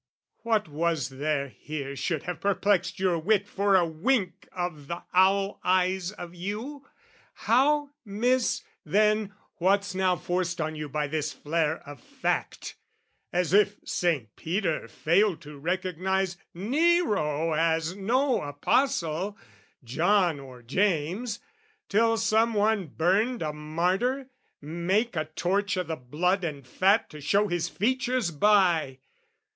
What was there here should have perplexed your wit For a wink of the owl eyes of you? How miss, then, What's now forced on you by this flare of fact As if Saint Peter failed to recognise Nero as no apostle, John or James, Till someone burned a martyr, make a torch O' the blood and fat to show his features by!